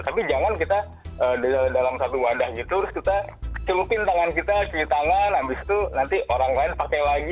tapi jangan kita dalam satu wadah gitu terus kita celupin tangan kita cuci tangan habis itu nanti orang lain pakai lagi